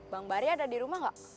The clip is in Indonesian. bang mali ada di rumah gak